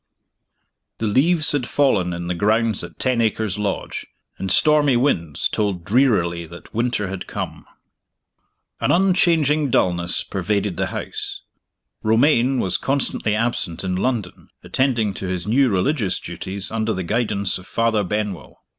THE leaves had fallen in the grounds at Ten Acres Lodge, and stormy winds told drearily that winter had come. An unchanging dullness pervaded the house. Romayne was constantly absent in London, attending to his new religious duties under the guidance of Father Benwell.